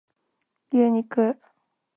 牛肉